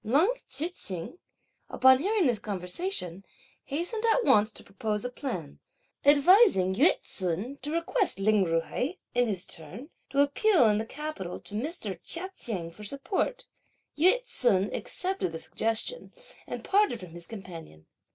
Leng Tzu hsing, upon hearing this conversation, hastened at once to propose a plan, advising Yü ts'un to request Lin Ju hai, in his turn, to appeal in the capital to Mr. Chia Cheng for support. Yü ts'un accepted the suggestion, and parted from his companion.